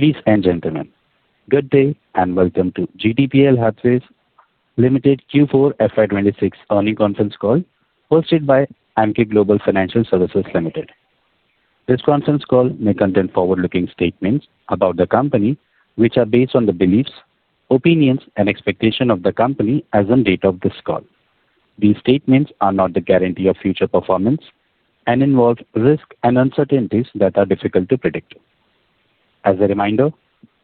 Ladies and gentlemen, good day and welcome to GTPL Hathway Limited Q4 FY 2026 earnings conference call hosted by Emkay Global Financial Services Limited. This conference call may contain forward-looking statements about the company, which are based on the beliefs, opinions, and expectations of the company as of the date of this call. These statements are not the guarantee of future performance and involve risks and uncertainties that are difficult to predict. As a reminder,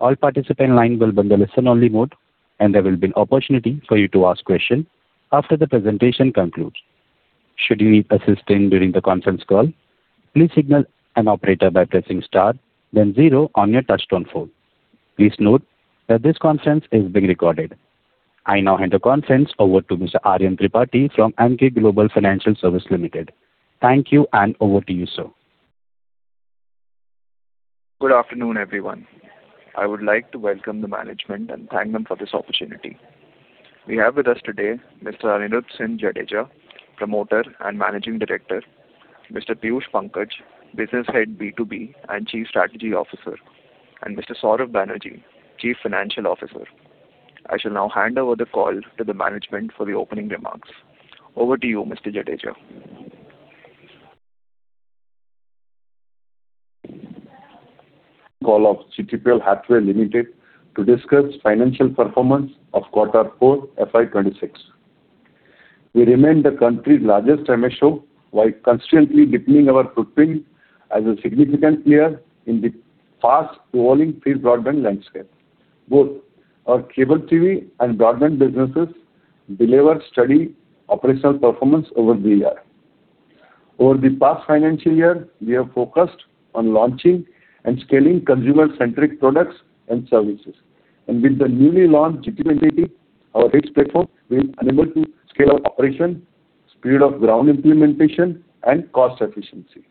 all participant lines will be in listen-only mode, and there will be an opportunity for you to ask questions after the presentation concludes. Should you need assistance during the conference call, please signal an operator by pressing star then zero on your touchtone phone. Please note that this conference is being recorded. I now hand the conference over to Mr. Aryan Tripathi from Emkay Global Financial Services Limited. Thank you, and over to you, sir. Good afternoon, everyone. I would like to welcome the management and thank them for this opportunity. We have with us today Mr. Anirudhsinh Jadeja, Promoter and Managing Director, Mr. Piyush Pankaj, Business Head, B2B and Chief Strategy Officer, and Mr. Saurav Banerjee, Chief Financial Officer. I shall now hand over the call to the management for the opening remarks. Over to you, Mr. Jadeja. Call of GTPL Hathway Limited to discuss financial performance of quarter four FY 2026. We remain the country's largest MSO while constantly deepening our footprint as a significant player in the fast-evolving fiber broadband landscape. Both our cable TV and broadband businesses delivered steady operational performance over the year. Over the past financial year, we have focused on launching and scaling consumer-centric products and services. With the newly launched GTPL Infinity, our HITS platform will enable to scale up operation, speed of ground implementation, and cost efficiency.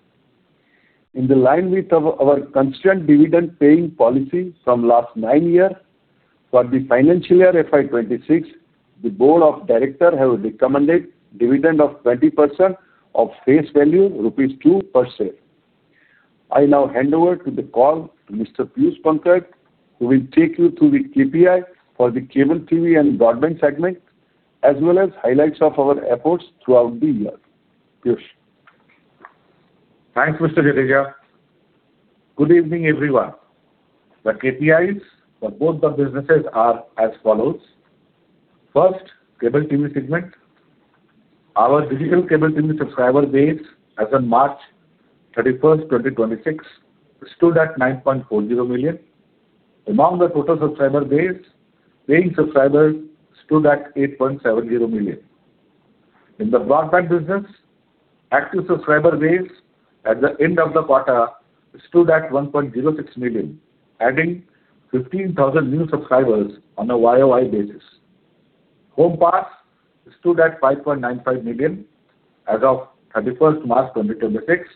In line with our constant dividend-paying policy from last nine years, for the financial year FY 2026, the board of directors have recommended dividend of 20% of face value rupees 2 per share. I now hand over to the call to Mr. Piyush Pankaj, who will take you through the KPI for the Cable TV and broadband segment, as well as highlights of our efforts throughout the year. Piyush. Thanks, Mr. Jadeja. Good evening, everyone. The KPIs for both the businesses are as follows. First, Cable TV segment. Our Digital Cable TV subscriber base as of March 31st, 2026, stood at 9.40 million. Among the total subscriber base, paying subscribers stood at 8.70 million. In the broadband business, active subscriber base at the end of the quarter stood at 1.06 million, adding 15,000 new subscribers on a YOY basis. Homepass stood at 5.95 million as of March 31st, 2026,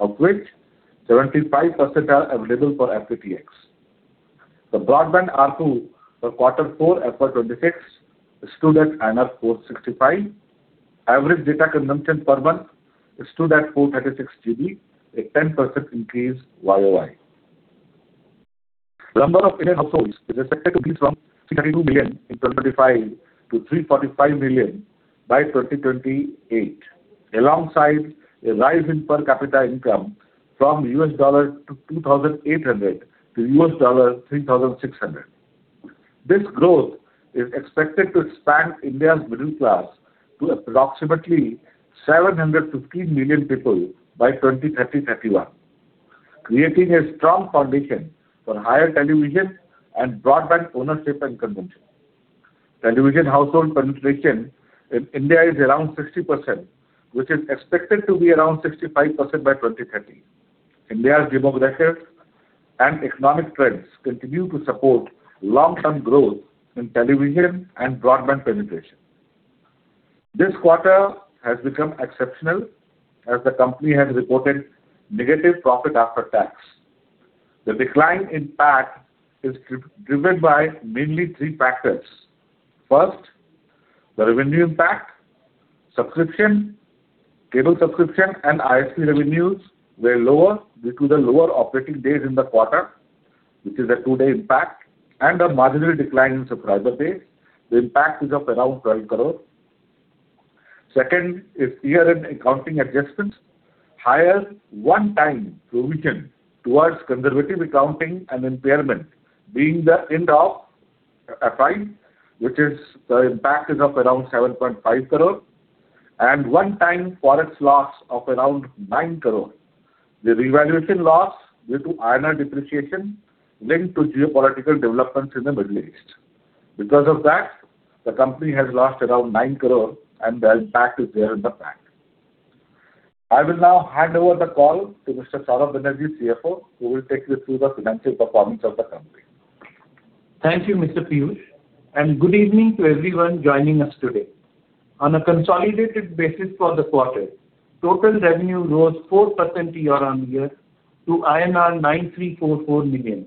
of which 75% are available for FTTX. The broadband ARPU for quarter four FY 2026 stood at 465. Average data consumption per month stood at 436 GB, a 10% increase YOY. The number of Indian households is expected to be from 322 million in 2025 to 345 million by 2028, alongside a rise in per capita income from $2,800 to $3,600. This growth is expected to expand India's middle class to approximately 715 million people by 2030, 2031, creating a strong foundation for higher television and broadband ownership and consumption. Television household penetration in India is around 60%, which is expected to be around 65% by 2030. India's demographic and economic trends continue to support long-term growth in television and broadband penetration. This quarter has become exceptional as the company has reported negative profit after tax. The decline in PAT is driven by mainly three factors. First, the revenue impact. Subscription, cable subscription, and ISP revenues were lower due to the lower operating days in the quarter, which is a two-day impact, and a marginal decline in subscriber base. The impact is of around 12 crore. Second is year-end accounting adjustments. Higher one time provision towards conservative accounting and impairment being the end of FY, which is the impact is of around 7.5 crore, and one time forex loss of around 9 crore. The revaluation loss due to INR depreciation linked to geopolitical developments in the Middle East. Because of that, the company has lost around 9 crore and the impact is there in the PAT. I will now hand over the call to Mr. Saurav Banerjee, CFO, who will take you through the financial performance of the company. Thank you, Mr. Piyush, and good evening to everyone joining us today. On a consolidated basis for the quarter, total revenue rose 4% year-over-year to INR 9,344 million.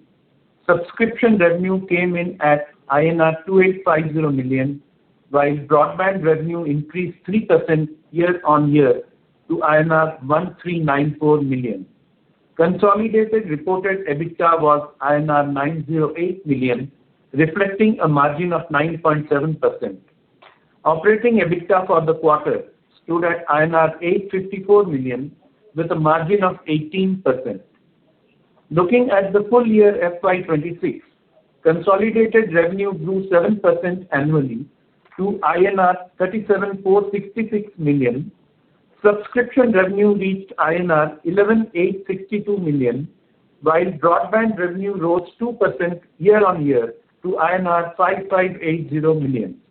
Subscription revenue came in at INR 2,850 million, while broadband revenue increased 3% year-over-year. To INR 1,394 million. Consolidated reported EBITDA was INR 908 million, reflecting a margin of 9.7%. Operating EBITDA for the quarter stood at INR 854 million with a margin of 18%. Looking at the full year FY 2026, consolidated revenue grew 7% annually to INR 37,466 million. Subscription revenue reached INR 11,862 million, while broadband revenue rose 2% year-on-year to INR 5,580 million.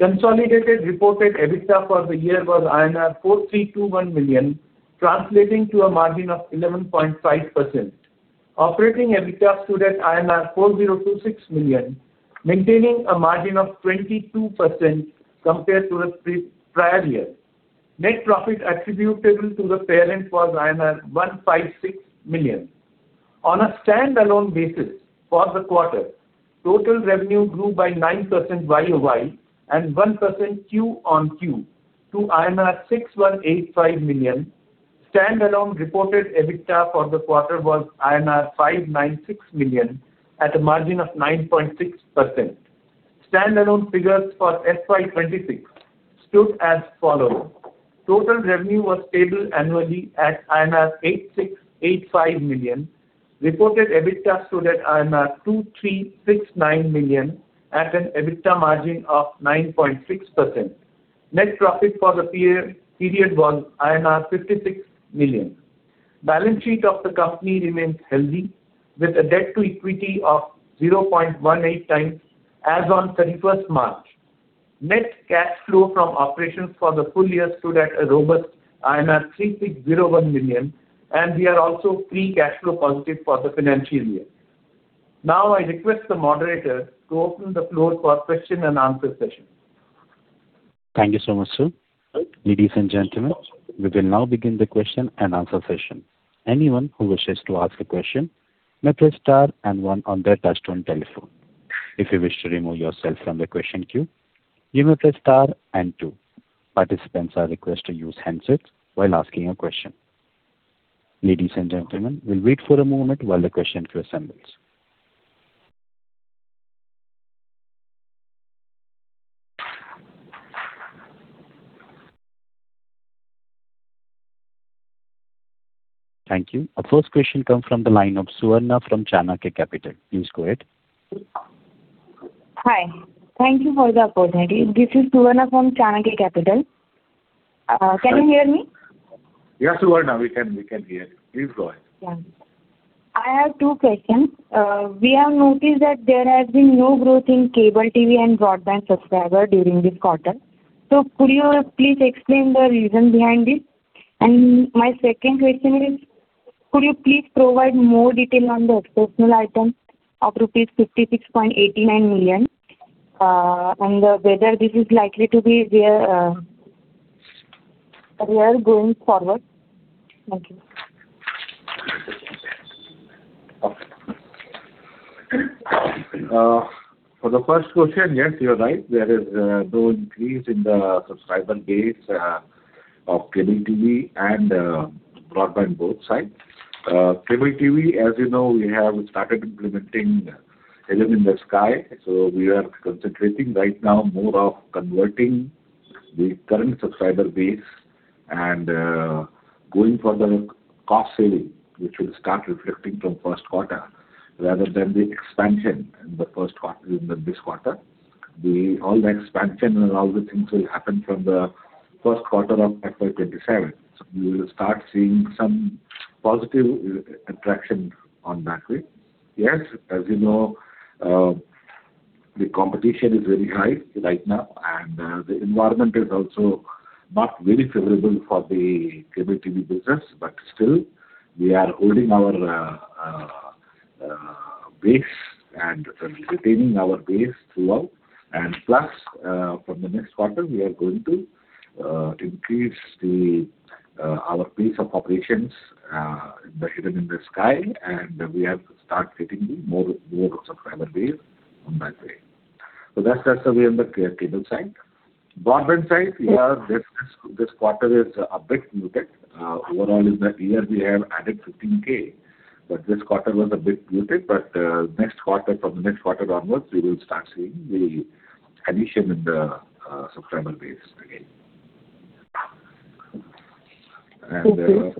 Consolidated reported EBITDA for the year was INR 4,321 million, translating to a margin of 11.5%. Operating EBITDA stood at 4,026 million, maintaining a margin of 22% compared to the prior year. Net profit attributable to the parent was 156 million. On a standalone basis for the quarter, total revenue grew by 9% YOY and 1% QoQ to 6,185 million. Standalone reported EBITDA for the quarter was 596 million at a margin of 9.6%. Standalone figures for FY 2026 stood as follows. Total revenue was stable annually at 8,685 million. Reported EBITDA stood at 2,369 million at an EBITDA margin of 9.6%. Net profit for the period was INR 56 million. Balance sheet of the company remains healthy with a debt to equity of 0.18 times as on March 31st. Net cash flow from operations for the full year stood at a robust 3,601 million, and we are also free cash flow positive for the financial year. Now I request the moderator to open the floor for question and answer session. Thank you so much, sir. Ladies and gentlemen, we will now begin the question and answer session. Anyone who wishes to ask a question, may press star and one on their touch-tone telephone. If you wish to remove yourself from the question queue, you may press star and two. Participants are requested to use handsets while asking a question. Ladies and gentlemen, we'll wait for a moment while the question queue assembles. Thank you. Our first question comes from the line of Suvarna from Chanakya Capital. Please go ahead. Hi. Thank you for the opportunity. This is Suvarna from Chanakya Capital. Can you hear me? Yes, Suvarna, we can hear you. Please go ahead. Yeah. I have two questions. We have noticed that there has been no growth in Cable TV and Broadband subscriber during this quarter. Could you please explain the reason behind it? My second question is, could you please provide more detail on the exceptional item of rupees 56.89 million, and whether this is likely to be there going forward. Thank you. For the first question, yes, you're right. There is no increase in the subscriber base of Cable TV and Broadband both sides. Cable TV, as you know, we have started implementing Headend-in-the-Sky. We are concentrating right now more of converting the current subscriber base and going for the cost saving, which will start reflecting from first quarter rather than the expansion in this quarter. All the expansion and all the things will happen from the first quarter of FY 2027. We will start seeing some positive traction on that way. Yes, as you know, the competition is very high right now, and the environment is also not very favorable for the Cable TV business. Still, we are holding our base and retaining our base throughout. Plus, from the next quarter, we are going to increase our pace of operations in the Headend-in-the-Sky, and we have to start getting more subscriber base in that way. That's the way on the cable side. Broadband side, yeah, this quarter is a bit muted. Overall, in the year, we have added 15,000, but this quarter was a bit muted. From the next quarter onwards, we will start seeing the addition in the subscriber base again. Okay.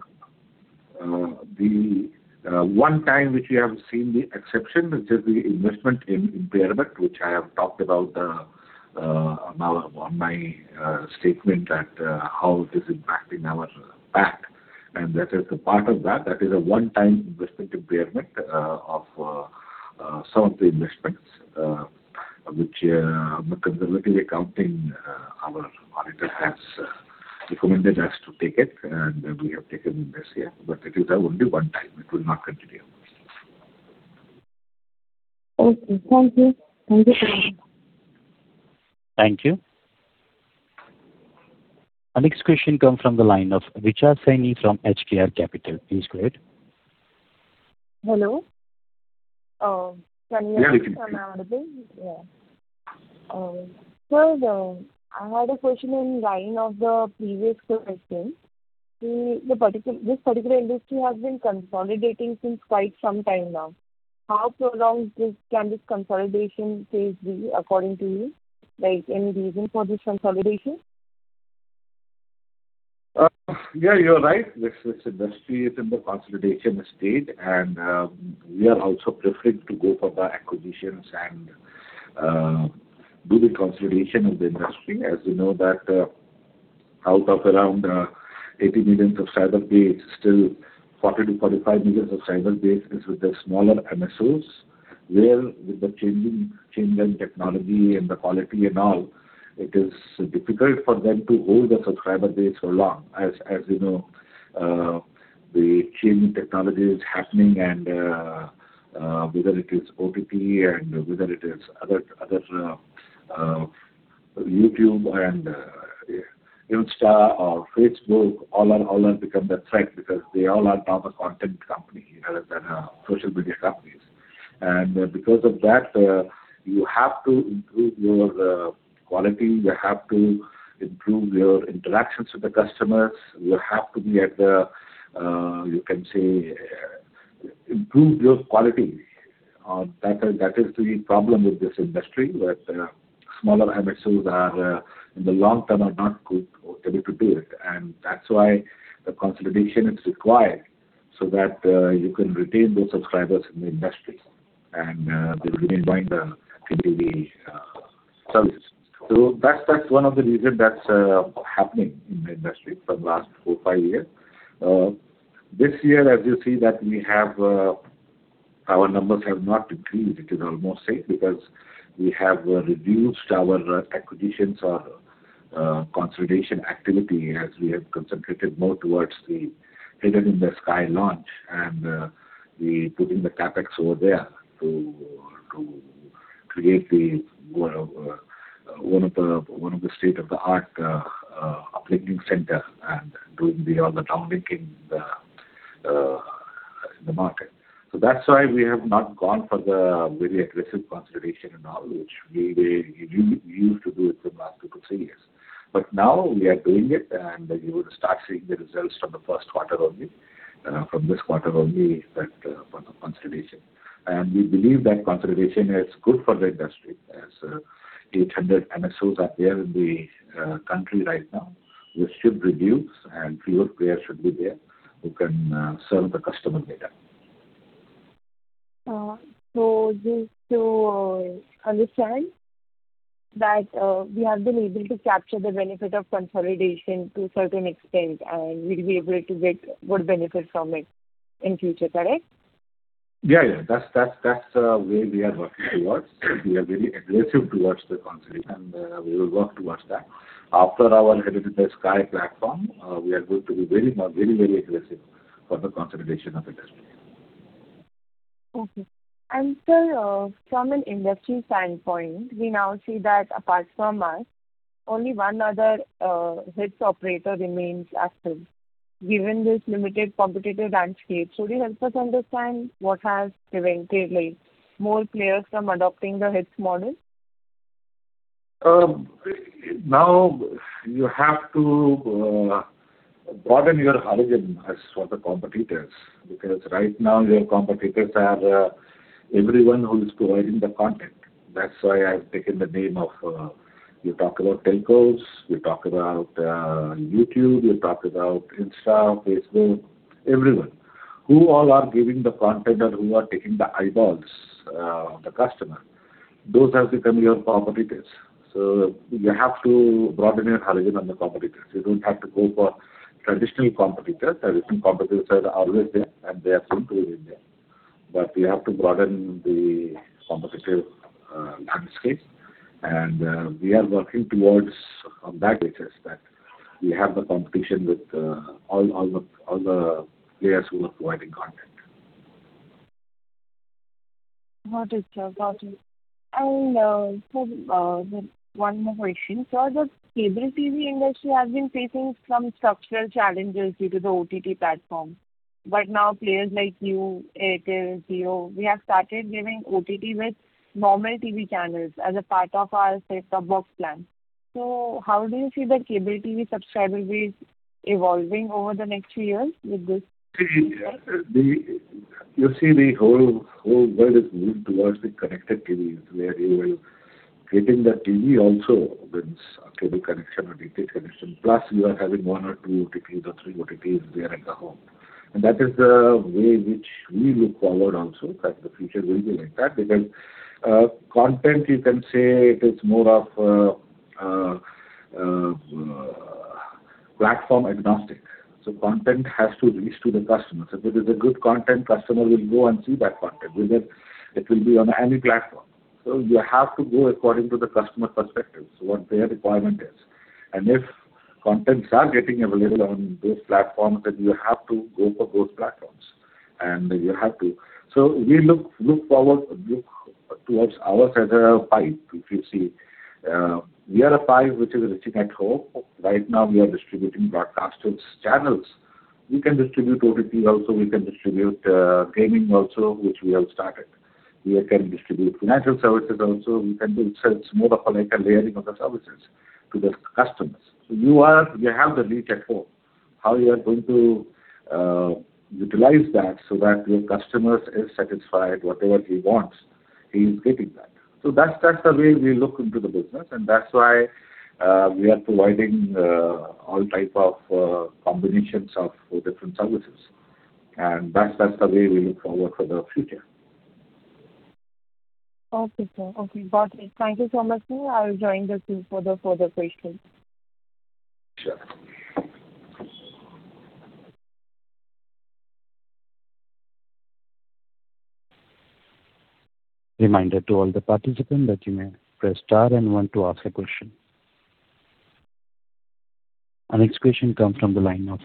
The one-time which we have seen the exception, which is the investment impairment, which I have talked about in my statement about how it is impacting our PAT. That is the part of that is a one-time investment impairment of some of the investments, which the conservative accounting, our auditor has recommended us to take it, and we have taken this year. It is only one-time. It will not continue. Okay. Thank you. Thank you. Our next question come from the line of Richa Saini from HKR Capital. Please go ahead. Hello. Yeah. Sir, I had a question in line of the previous question. This particular industry has been consolidating since quite some time now. How prolonged can this consolidation phase be according to you? Any reason for this consolidation? Yeah, you're right. This industry is in the consolidation state, and we are also preferring to go for the acquisitions and do the consolidation of the industry. As you know that out of around 80 million of subscriber base, still 40-45 million of subscriber base is with the smaller MSOs, where with the change in technology and the quality and all, it is difficult for them to hold the subscriber base for long. As you know, the changing technology is happening, and whether it is OTT or whether it is other, YouTube and Instagram or Facebook, all have become the threat because they all are now the content company rather than social media companies. Because of that, you have to improve your quality, you have to improve your interactions with the customers. You have to, you can say, improve your quality. That is the problem with this industry, where smaller MSOs in the long term are not going to be able to do it. That's why the consolidation is required, so that you can retain those subscribers in the industry, and they will remain buying the DTH service. That's one of the reason that's happening in the industry from last four to five years. This year, as you see that our numbers have not decreased. It is almost same because we have reduced our acquisitions or consolidation activity, as we have concentrated more towards the Headend-in-the-Sky launch and putting the CapEx over there to create one of the state-of-the-art uplinking center and doing all the downlinking in the market. That's why we have not gone for the very aggressive consolidation and all, which we used to do it from last two to three years. Now we are doing it, and you would start seeing the results from the first quarter only, from this quarter only for the consolidation. We believe that consolidation is good for the industry as 800 MSOs are there in the country right now, which should reduce and fewer players should be there who can serve the customer better. Just to understand that we have been able to capture the benefit of consolidation to a certain extent, and we'll be able to get good benefit from it in future, correct? Yeah. That's the way we are working towards. We are very aggressive towards the consolidation. We will work towards that. After our Headend-in-the-Sky platform, we are going to be very aggressive for the consolidation of industry. Okay. Sir, from an industry standpoint, we now see that apart from us, only one other HITS operator remains active. Given this limited competitive landscape, could you help us understand what has prevented more players from adopting the HITS model? Now you have to broaden your horizon as for the competitors, because right now your competitors are everyone who is providing the content. That's why I have taken the name of, you talk about telcos, you talk about YouTube, you talk about Instagram, Facebook, everyone who all are giving the content or who are taking the eyeballs of the customer. Those have become your competitors, so you have to broaden your horizon on the competitors. You don't have to go for traditional competitors. Traditional competitors are always there, and they are going to remain there. You have to broaden the competitive landscape, and we are working towards on that basis that we have the competition with all the players who are providing content. Got it, sir. Got it. Sir, one more question. Sir, the Cable TV industry has been facing some structural challenges due to the OTT platform. Now players like you, Airtel, Jio, we have started giving OTT with normal TV channels as a part of our set-top box plan. How do you see the Cable TV subscriber base evolving over the next few years with this? You see the whole world is moving towards the connected TVs, where you will getting the TV also with a cable connection or DTH connection, plus you are having one or two OTTs or three OTTs there in the home. That is the way which we look forward also, that the future will be like that because content you can say it is more of platform agnostic. Content has to reach to the customers. If it is a good content, customer will go and see that content, whether it will be on any platform. You have to go according to the customer perspective, so what their requirement is. If contents are getting available on those platforms, then you have to go for those platforms. You have to. We look forward towards ours as a pipe. If you see, we are a pipe which is sitting at home. Right now, we are distributing broadcasters' channels. We can distribute OTT also. We can distribute gaming also, which we have started. We can distribute financial services also. We can do layering of the services to the customers. You have the reach at home, how you are going to utilize that so that your customer is satisfied, whatever he wants, he's getting that. That's the way we look into the business, and that's why we are providing all type of combinations of different services. That's the way we look forward for the future. Okay, sir. Got it. Thank you so much, sir. I will join the queue for the further questions. Sure. Reminder to all the participants that you may press star and one to ask a question. Our next question comes from the line of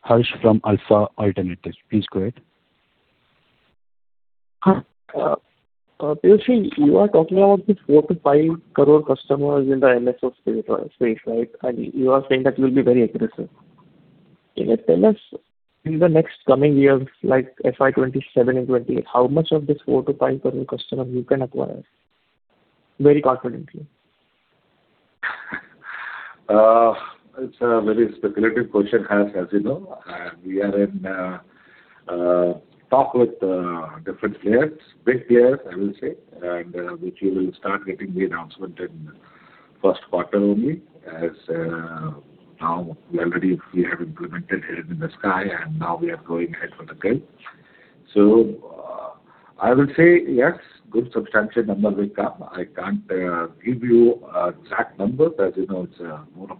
Harsh from Alpha Alternatives. Please go ahead. Hi. Piyush, you are talking about this 4-5 crore customers in the MSO space, right? You are saying that you'll be very aggressive. Can you tell us in the next coming years, like FY 2027 and 2028, how much of this 4-5 crore customers you can acquire, very confidently? It's a very speculative question, Harsh, as you know. We are in talks with different players, big players I will say, and which you will start getting the announcement in first quarter only as now already we have implemented Headend-in-the-Sky, and now we are going ahead with the deal. I would say yes, good substantial number will come. I can't give you exact number, as you know, it's more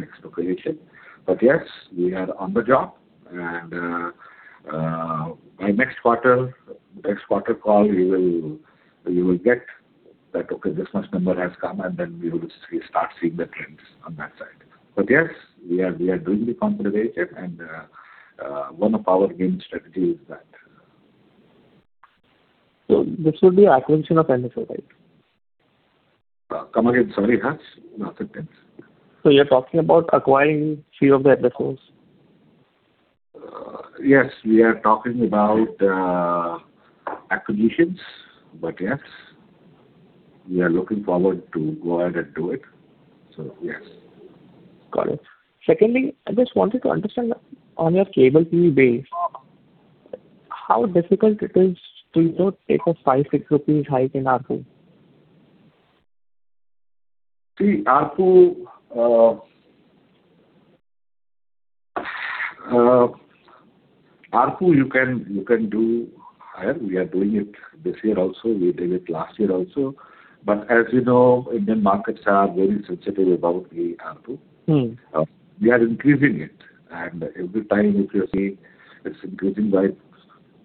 exploratory. Yes, we are on the job and by next quarter call, you will get that, okay, this much number has come, and then we will start seeing the trends on that side. Yes, we are doing the consolidation, and one of our game strategy is that. This will be acquisition of MSO, right? Come again. Sorry, Harsh, not so clear. You're talking about acquiring few of the MSOs? Yes, we are talking about acquisitions. Yes, we are looking forward to go out and do it. Yes. Got it. Secondly, I just wanted to understand on your Cable TV base, how difficult it is to take a 5-6 rupees hike in ARPU? See, ARPU you can do higher. We are doing it this year also. We did it last year also. As you know, Indian markets are very sensitive about the ARPU. Mm-hmm. We are increasing it, and every time if you are seeing, it's increasing by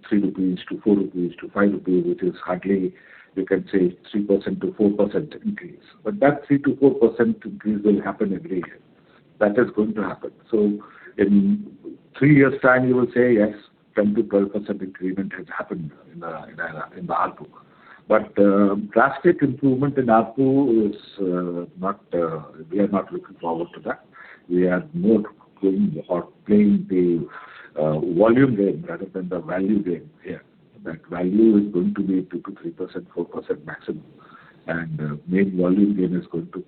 3 rupees to 4 rupees to 5 rupees, which is hardly, you can say 3%-4% increase. That 3%-4% increase will happen every year. That is going to happen. In three years' time, you will say, yes, 10%-12% increment has happened in the ARPU. Drastic improvement in ARPU, we are not looking forward to that. We are more playing the volume game rather than the value game here. That value is going to be 2%-3%, 4% maximum. Main volume game is going to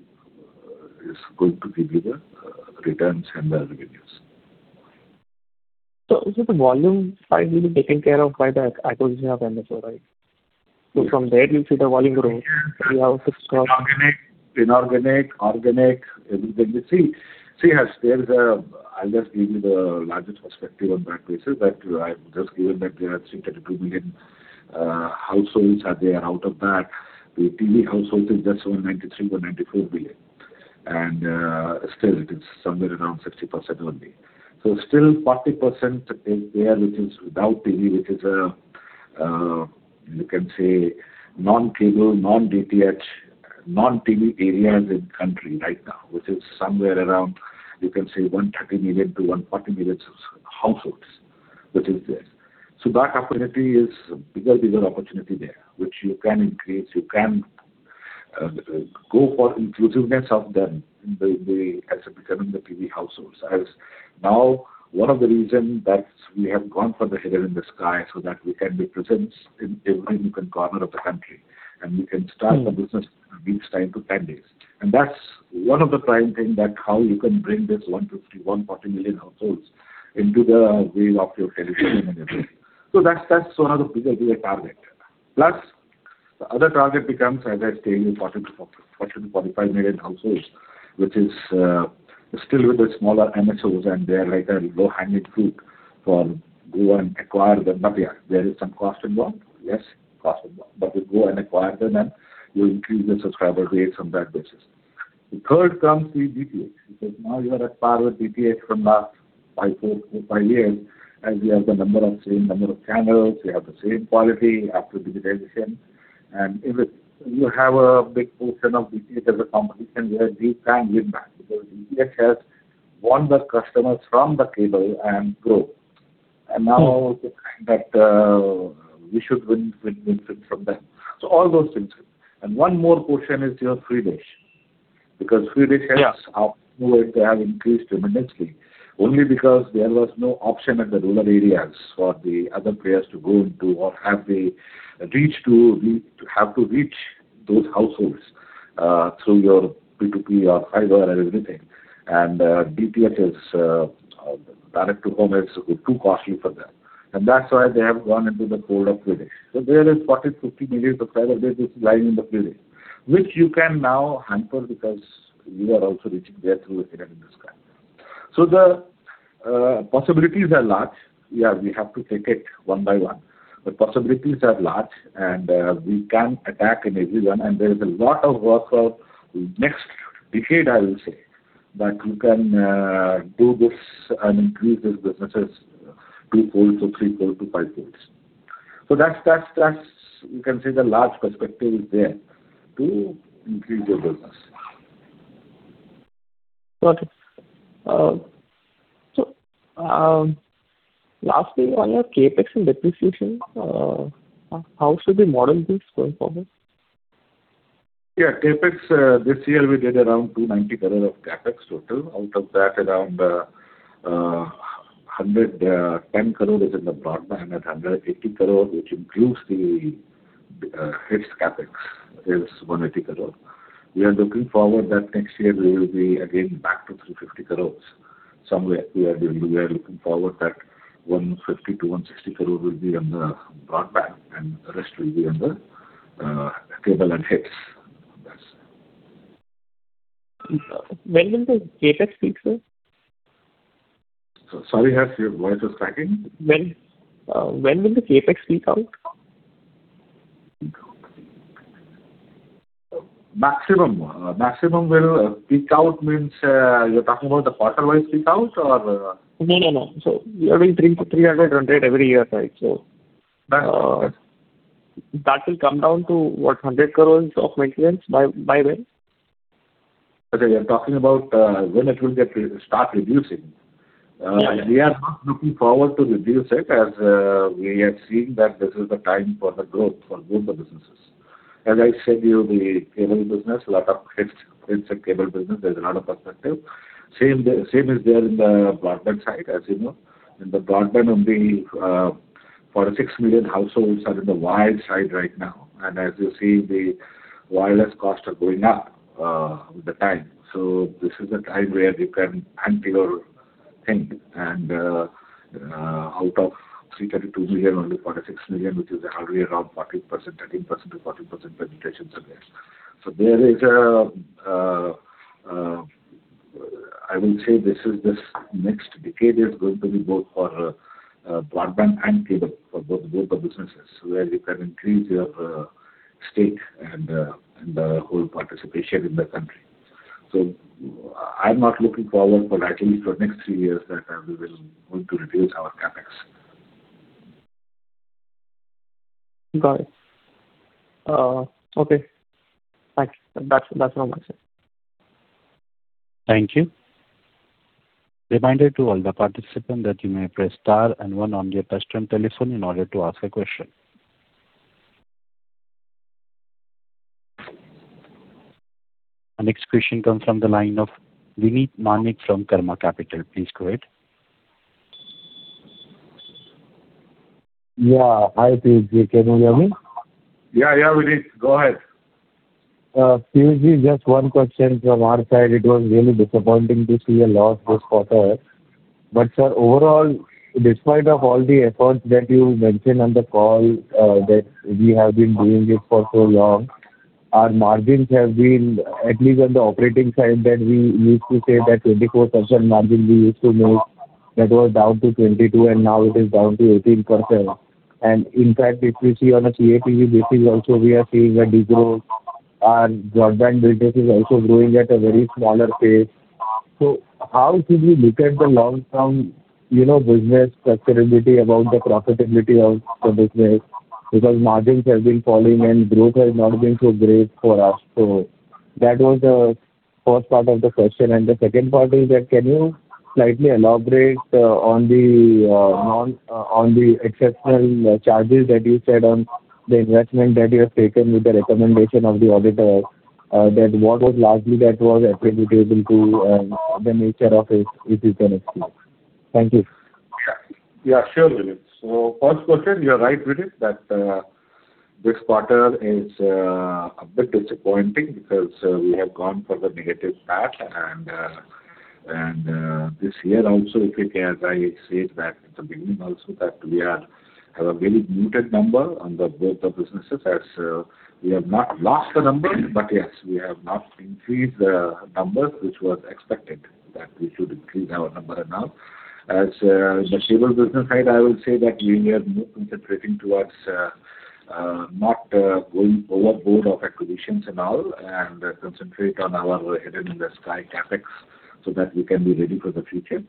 give you the returns and the revenues. Is it the volume side will be taken care of by the acquisition of MSO, right? From there you'll see the volume grow. You have to- Inorganic, organic, everything. See, Harsh, I'll just give you the larger perspective on that basis that I've just given that we have 332 million households are there. Out of that, the TV households is just over 93 or 94 million, and still it is somewhere around 60% only. Still 40% is there, which is without TV, which is, you can say, non-cable, non-DTH, non-TV areas in country right now, which is somewhere around, you can say, 130 million-140 million households, which is there. That opportunity is bigger picture opportunity there, which you can increase, you can go for inclusiveness of them as becoming the TV households, as now one of the reason that we have gone for the Headend-in-the-Sky so that we can be present in every nook and corner of the country, and we can start. Mm-hmm The business in least time to 10 days. That's one of the prime thing that how you can bring this 150, 140 million households into the wave of your television and everything. That's one of the bigger picture target. Plus, the other target becomes, as I say, 40-45 million households, which is still with the smaller MSOs and they are like a low-hanging fruit for go and acquire them. Yeah, there is some cost involved. Yes, cost involved. You go and acquire them, and you increase your subscriber base on that basis. The third comes the DTH, because now you are at par with DTH from last 4-5 years, as you have the same number of channels, you have the same quality after digitization. You have a big portion of DTH as a competition where we can win back because DTH has won the customers from the cable and grow. Now the time that we should win from them. All those things. One more portion is your Free Dish, because Free Dish has- Yeah They have increased tremendously only because there was no option in the rural areas for the other players to go into or have the reach to have to reach those households through your P2P or fiber or everything. DTH is, direct to home is too costly for them, and that's why they have gone into the fold of Free Dish. There is a 40-50 million subscriber base lying in the Free Dish, which you can now tap because you are also reaching there through headend in the sky. The possibilities are large. Yeah, we have to take it one by one, but possibilities are large and we can attack in every one, and there is a lot of work for next decade, I will say, that you can do this and increase this businesses twofold or threefold to fivefold. That's, you can say the large perspective is there to increase your business. Got it. Lastly, on your CapEx and depreciation, how should we model this going forward? Yeah, CapEx. This year we did around 290 crore of CapEx total. Out of that, around 110 crore is in the broadband and 180 crore, which includes the HITS CapEx, is 180 crore. We are looking forward that next year we will be again back to 350 crore somewhere. We are looking forward that 150 crore-160 crore will be on the broadband and the rest will be on the cable and HITS. That's it. When will the CapEx peak, sir? Sorry, Harsh. Your voice is cracking. When will the CapEx peak out? Maximum will peak out means you're talking about the quarter by peak out or? No, no. You are doing 300 every year, right? Right That will come down to what, 100 crores of maintenance by when? Okay, you're talking about when it will start reducing. Yes. We are not looking forward to reduce it as we are seeing that this is the time for the growth, for both the businesses. As I said, you, the cable business, lot of HITS in cable business, there's a lot of potential. Same is there in the broadband side, as you know. In the broadband, only 46 million households are in the wired side right now. As you see, the wireless costs are going up with the time. This is the time where you can ramp up your thing. Out of 332 million, only 46 million, which is hardly around 13%-14% penetration is there. I will say this next decade is going to be both for broadband and cable, for both the businesses, where you can increase your stake and the whole participation in the country. I'm not looking forward for at least next three years that we will going to reduce our CapEx. Got it. Okay, thanks. That's all my side. Thank you. Reminder to all the participants that you may press star and one on your touchtone telephone in order to ask a question. The next question comes from the line of Vinit Manek from Karma Capital. Please go ahead. Yeah. Hi, Piyush Ji. Can you hear me? Yeah, yeah, Vinit. Go ahead. Piyush Ji, just one question from our side. It was really disappointing to see a loss this quarter. Sir, overall, despite of all the efforts that you mentioned on the call, that we have been doing it for so long, our margins have been at least on the operating side, that we used to say that 24% margin we used to make that was down to 22% and now it is down to 18%. In fact, if you see on a CapEx basis also we are seeing a decline. Our broadband business is also growing at a very slower pace. How should we look at the long-term business sustainability about the profitability of the business? Because margins have been falling and growth has not been so great for us. That was the first part of the question. The second part is that, can you slightly elaborate on the exceptional charges that you said on the investment that you have taken with the recommendation of the auditor, that what was largely attributable to the nature of it, if you can explain? Thank you. Yeah, sure, Vinit. I support that you are right Vinit, that this quarter is a bit disappointing because we have gone for the negative path. This year also, as I said that in the beginning also that we have a very muted number on both the businesses as we have not lost the number but yes, we have not increased the number which was expected that we should increase our number now. As the cable business side, I will say that we are more concentrating towards not going overboard of acquisitions and all, and concentrate on our Headend-in-the-Sky CapEx so that we can be ready for the future.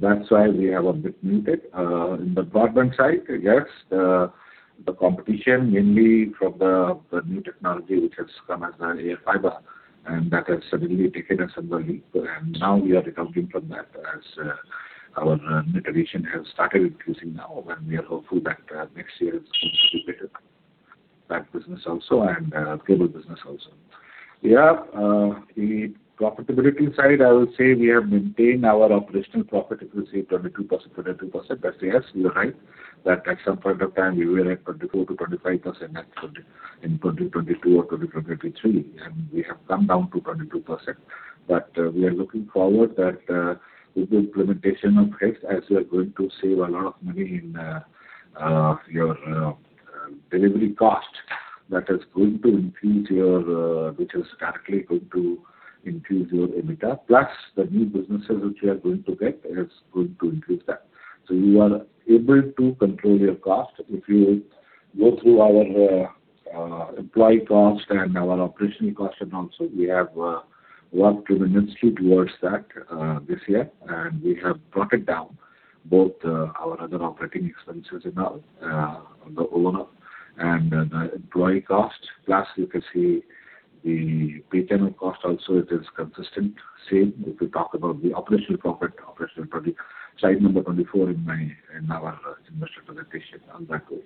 That's why we have a bit muted. In the broadband side, yes, the competition mainly from the new technology which has come as AirFiber. And that has suddenly taken us on a leap. Now we are recovering from that as our monetization has started increasing now, and we are hopeful that next year is going to be better. That business also, and cable business also. Yeah. The profitability side, I would say we have maintained our operational profit, if you see 22%. Yes, you're right. That at some point of time, we were at 24%-25% in 2022 or 2023, and we have come down to 22%. We are looking forward that with the implementation of HITS, as we are going to save a lot of money in your delivery cost, which is directly going to increase your EBITDA. Plus, the new businesses which we are going to get, is going to increase that. You are able to control your cost. If you go through our employee cost and our operational cost, and also we have worked tremendously towards that this year. We have brought it down, both our other operating expenses and the O&M, and the employee cost. Plus, you can see the P&L cost also it is consistent. Same if you talk about the operational profit, slide number 24 in our investor presentation on that too.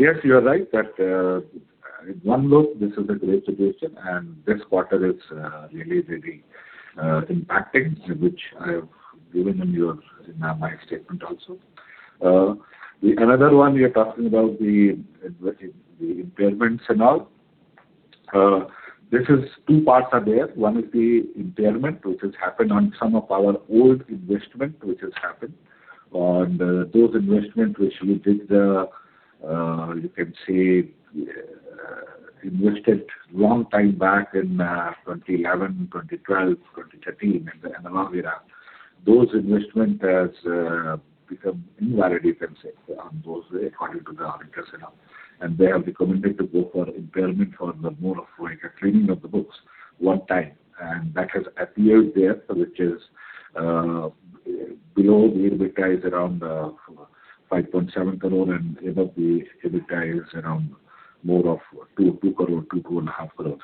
Yes, you are right, that in one look, this is the great situation, and this quarter is really, really impacting, which I have given in my statement also. Another one, we are talking about the impairments and all. Two parts are there. One is the impairment, which has happened on some of our old investment, which has happened. On those investment which we did, you can say, invested long time back in 2011, 2012, 2013, and along there. Those investments have become invalid, you can say, those according to the auditors. They have recommended to go for impairment for the more of like a cleaning of the books one time. That has appeared there, which is below the EBITDA, is around 5.7 crore, and EBITDA is around more of 2 crore-2.5 crores.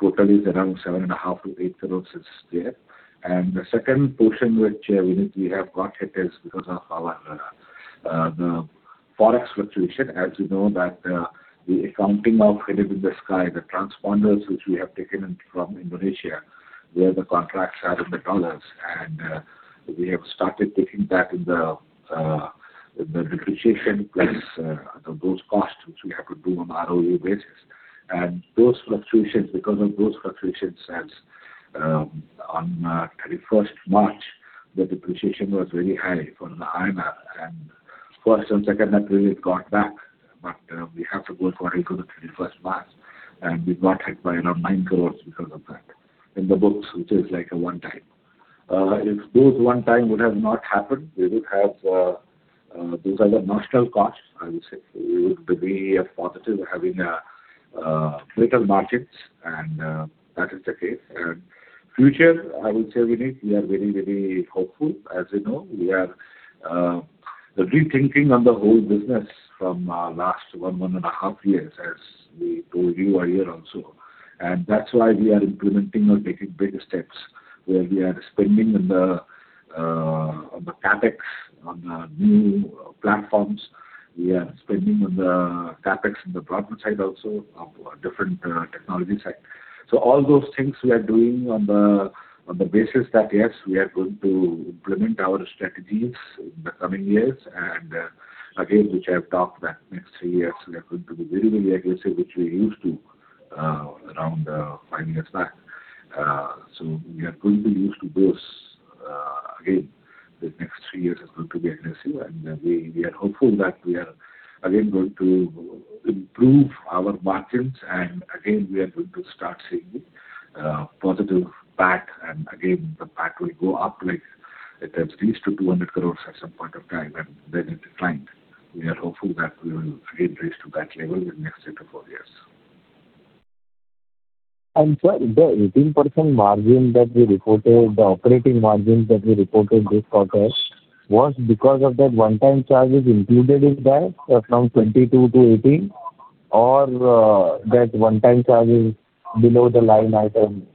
Totally is around 7.5-8 crores. The second portion which, Vinit, we have got hit is because of our forex fluctuation. As you know that the accounting of HITS, the transponders which we have taken from Indonesia, where the contracts are in dollars, and we have started taking that in the depreciation plus those costs, which we have to do on ROE basis. Because of those fluctuations as on March 31st, the depreciation was very high for the entire. First and second actually it got back, but we have to go for it to the March 31st, and we got hit by around 9 crore because of that in the books, which is like a one-time. If those one-time would have not happened, these are the notional costs, I would say. We would be a positive having little margins and that is the case. Future, I would say, Vinit, we are very, very hopeful. As you know, we are rethinking on the whole business from last one and a half years, as we told you a year also. That's why we are implementing or taking bigger steps, where we are spending on the CapEx, on new platforms. We are spending on the CapEx in the broadband side also, on different technology side. All those things we are doing on the basis that, yes, we are going to implement our strategies in the coming years. Again, which I have talked that next three years, we are going to be very, very aggressive, which we used to around five years back. We are going to be used to those again. The next three years is going to be aggressive, and we are hopeful that we are again going to improve our margins, and again, we are going to start seeing the positive PAT, and again, the PAT will go up. It has reached to 200 crores at some point of time, and then it declined. We are hopeful that we will again reach to that level within next three to four years. Sir, the 18% margin that we reported, the operating margins that we reported this quarter was because of that one-time charges included in that from 22% to 18%, or that one-time charge is below the line item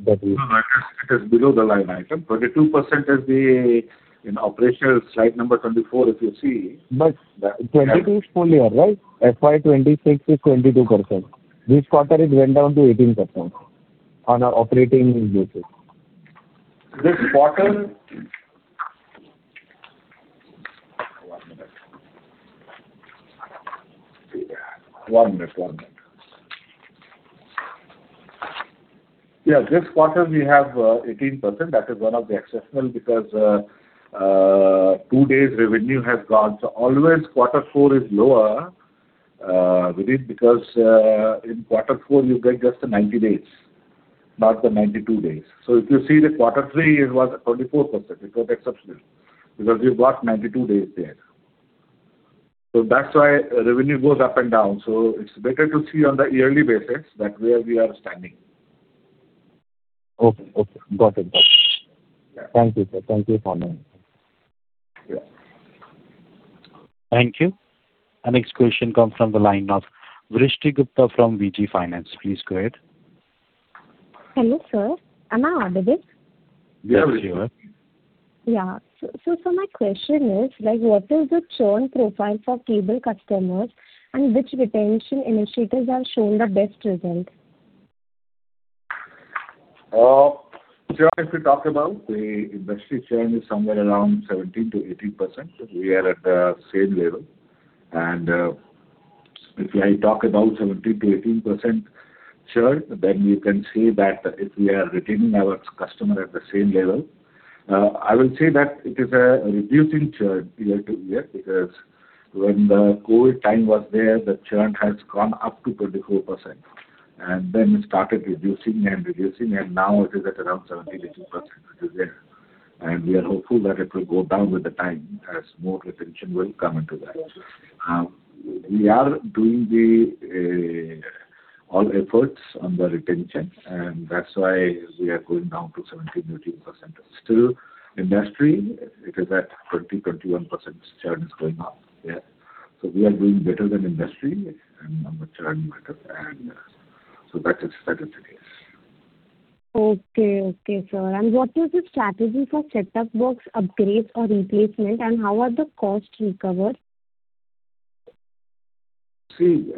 that we- No. It is below the line item. 22% is in operational slide number 24, if you see. 22 is full year, right? FY 2026 is 22%. This quarter it went down to 18% on our operating basis. Yeah, this quarter we have 18%. That is one of the exceptions because two days revenue has gone. Always quarter four is lower, Vinit, because in quarter four, you get just the 90 days, not the 92 days. If you see the quarter three, it was 24%, without exception, because you got 92 days there. That's why revenue goes up and down. It's better to see on the yearly basis that where we are standing. Okay. Got it. Thank you, sir. Thank you. Our next question comes from the line of Vrishti Gupta from VG Finance. Please go ahead. Hello, sir. Am I audible? Yes, you are. Yeah. My question is, what is the churn profile for cable customers, and which retention initiatives have shown the best result? Churn, if you talk about the industry, churn is somewhere around 17%-18%. We are at the same level. If I talk about 17%-18% churn, then you can say that if we are retaining our customer at the same level. I will say that it is a reducing churn year to year, because when the COVID time was there, the churn had gone up to 24%, and then it started reducing and reducing, and now it is at around 17%-18% it is there. We are hopeful that it will go down with time as more retention will come into that. We are doing all efforts on the retention, and that's why we are going down to 17%-18%. Still, industry, it is at 20%-21% churn is going on. We are doing better than industry on the churn matter. That is the case. Okay, sir. What is the strategy for set-top box upgrades or replacement, and how are the costs recovered? See,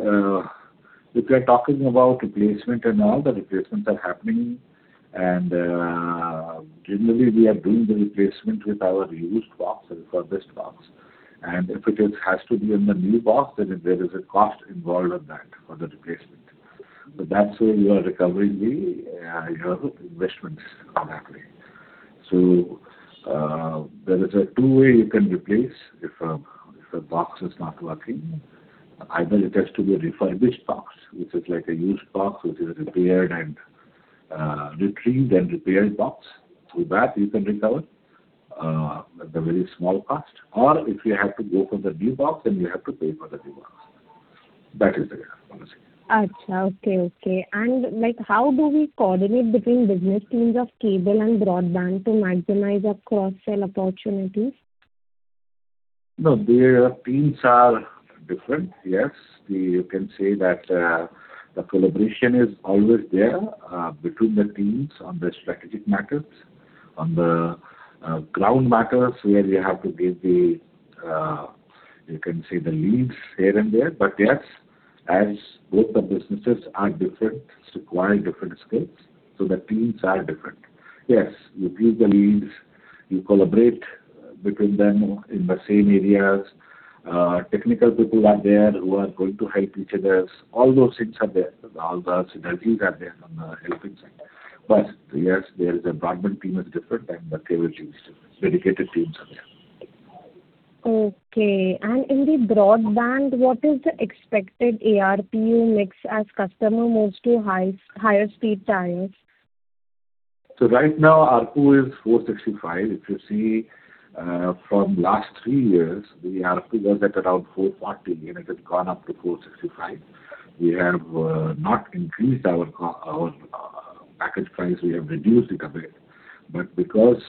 if you're talking about replacement and all, the replacements are happening, and generally, we are doing the replacement with our used boxes for this box. If it has to be in the new box, then there is a cost involved in that for the replacement. That's where we are recovering the investments in that way. There is a two ways you can replace if a box is not working. Either it has to be a refurbished box, which is like a used box, which is a retrieved and repaired box. Through that, you can replace at a very small cost. Or if you have to go for the new box, then you have to pay for the new box. That is the policy. Okay. How do we coordinate between business teams of cable and broadband to maximize our cross-sell opportunities? No, their teams are different. Yes. You can say that the collaboration is always there between the teams on the strategic matters. On the ground matters, where we have to give the leads here and there. Yes, as both the businesses are different, require different skills, so the teams are different. Yes, you give the leads, you collaborate between them in the same areas. Technical people are there who are going to help each other. All those things are there. All the synergy is there on the helping side. Yes, the broadband team is different than the cable team. Dedicated teams are there. Okay. In the broadband, what is the expected ARPU mix as customer moves to higher speed tiers? Right now, ARPU is 465. If you see from last three years, the ARPU was at around 440, and it has gone up to 465. We have not increased our package price. We have reduced it a bit. Because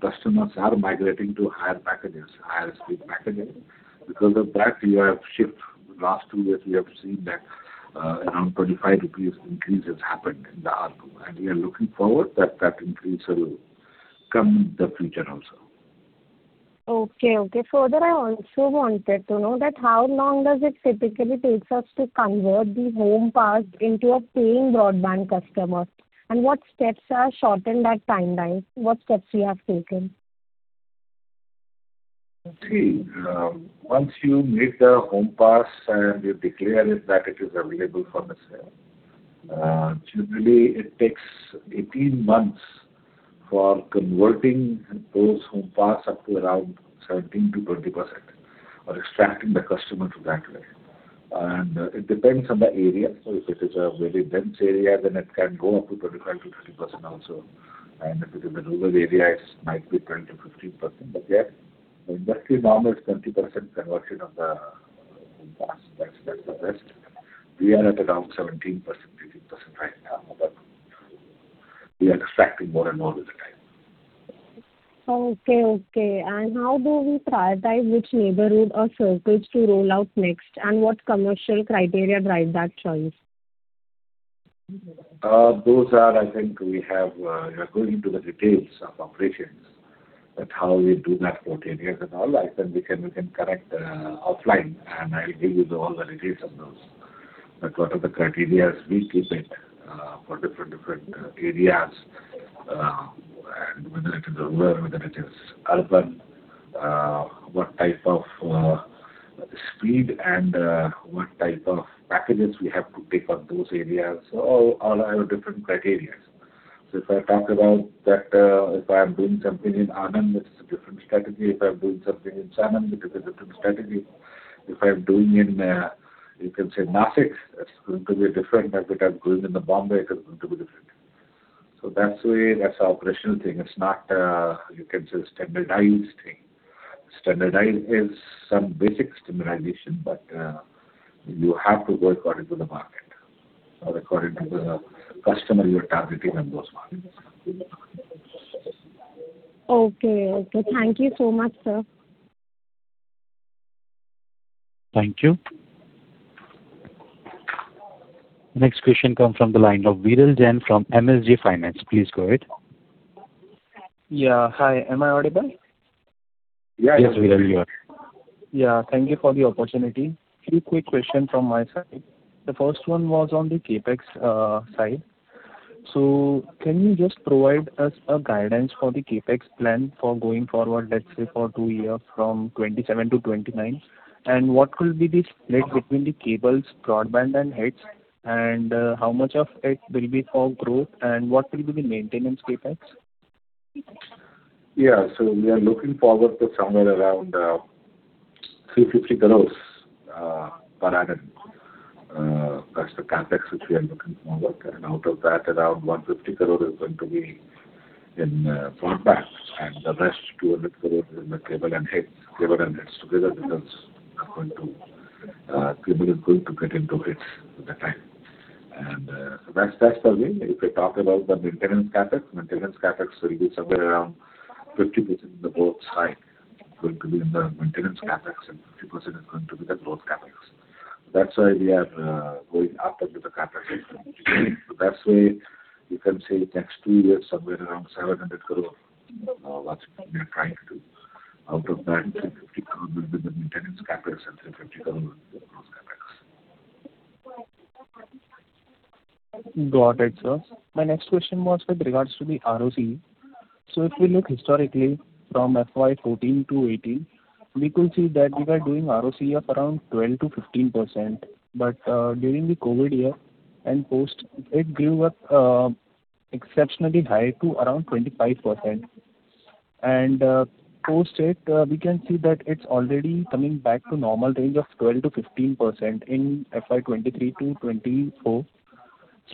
customers are migrating to higher packages, higher speed packages, because of that, we have shift. The last two years, we have seen that around 25 rupees increase has happened in the ARPU, and we are looking forward that increase will come in the future also. Okay. Further, I also wanted to know that how long does it typically take us to convert the Homepass into a paying broadband customer, and what steps are short in that timeline? What steps you have taken? See, once you make the Homepass and you declare that it is available for sale, generally it takes 18 months for converting those homes passed up to around 17%-20%, or attracting the customer that way. It depends on the area. If it is a very dense area, then it can go up to 25%-30% also. If it is a rural area, it might be 10%-15%, but yes, the industry normal is 20% conversion of the homes passed. That's the best. We are at around 17%, 18% right now, but we are attracting more and more with time. Okay. How do we prioritize which neighborhood or circles to roll out next, and what commercial criteria drive that choice? Those are. I think we are going into the details of operations, that how we do that for 10 years and all. That we can connect offline, and I'll give you all the details of those. What are the criteria we keep it for different areas, and whether it is rural, whether it is urban, what type of speed and what type of packages we have to take on those areas. All our different criteria. If I talk about that, if I am doing something in Anand, it's a different strategy. If I'm doing something in Sanand, it is a different strategy. If I'm doing in, you can say, Nasik, that's going to be different than if I'm doing in Bombay, it is going to be different. That's the way, that's the operational thing. It's not a standardized thing. Standardization is some basic standardization, but you have to work according to the market or according to the customer you are targeting on those markets. Okay. Thank you so much, sir. Thank you. Next question comes from the line of Viral Jain from MSJ Finance. Please go ahead. Yeah. Hi. Am I audible? Yes, Viral, you are. Yeah. Thank you for the opportunity. Three quick questions from my side. The first one was on the CapEx side. Can you just provide us a guidance for the CapEx plan for going forward, let's say for two years, from 2027 to 2029? And what will be the split between the cables, broadband and heads? And how much of it will be for growth, and what will be the maintenance CapEx? Yeah. We are looking forward to somewhere around 350 crore per annum. That's the CapEx which we are looking forward. Out of that, around 150 crore is going to be in broadband, and the rest, 200 crore, will be in the cable and HITS. Cable and HITS together because people are going to get into HITS with the time. That's the way. If we talk about the maintenance CapEx, maintenance CapEx will be somewhere around 50% of both sides, going to be in the maintenance CapEx, and 50% is going to be the growth CapEx. That's why we are going ahead with the CapEx. That way you can say next two years, somewhere around 700 crore, what we are trying to. Out of that, 350 crore will be the maintenance CapEx and 350 crore will be the growth CapEx. Got it, sir. My next question was with regards to the ROCE. If we look historically from FY 2014 to FY 2018, we could see that you were doing ROCE of around 12%-15%. During the COVID year and post, it grew up exceptionally high to around 25%. Post it, we can see that it's already coming back to normal range of 12%-15% in FY 2023 to FY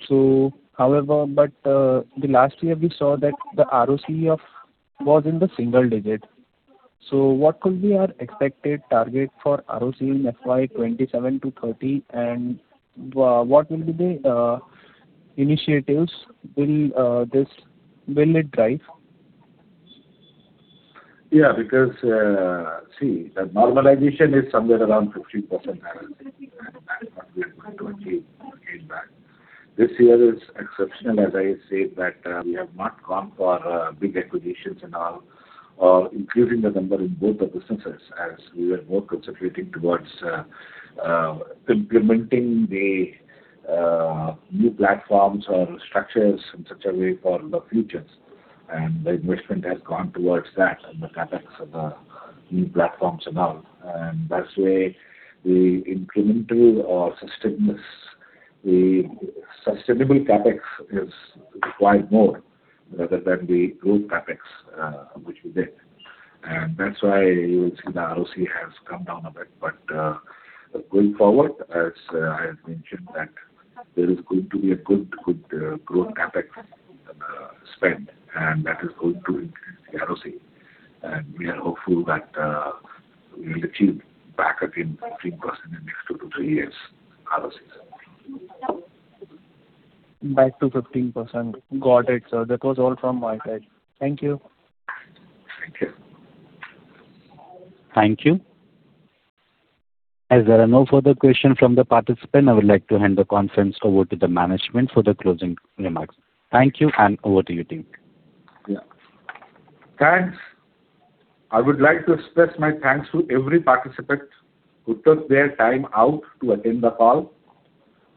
2024. However, the last year we saw that the ROCE was in the single digit. What could be our expected target for ROCE in FY 2027 to FY 2030, and what will be the initiatives will it drive? Yeah. Because, see, the normalization is somewhere around 15%. This year is exceptional, as I said, that we have not gone for big acquisitions and all, or increasing the number in both the businesses as we were more concentrating towards implementing the new platforms or structures in such a way for the futures. The investment has gone towards that, and the CapEx of the new platforms and all. That way the incremental or the sustainable CapEx is required more rather than the growth CapEx, which we did. That's why you will see the ROCE has come down a bit. Going forward, as I have mentioned that there is going to be a good growth CapEx spend, and that is going to increase the ROCE. We are hopeful that we will achieve back again 15% in next two to three years ROCEs. Back to 15%. Got it, sir. That was all from my side. Thank you. Thank you. Thank you. As there are no further questions from the participants, I would like to hand the conference over to the management for the closing remarks. Thank you, and over to you, Deep. Yeah. Thanks. I would like to express my thanks to every participant who took their time out to attend the call.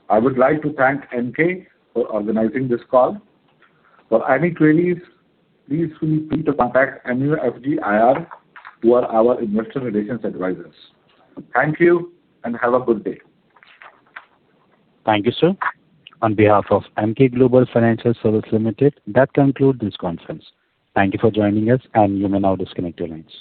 I would like to thank Emkay for organizing this call. For any queries, please feel free to contact MUFG IR, who are our investor relations advisors. Thank you, and have a good day. Thank you, sir. On behalf of Emkay Global Financial Services Limited, that concludes this conference. Thank you for joining us, and you may now disconnect your lines.